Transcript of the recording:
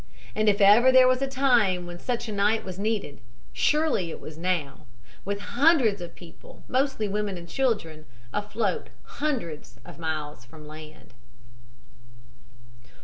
And if ever there was a time when such a night was needed, surely it was now, with hundreds of people, mostly women and children, afloat hundreds of miles from land.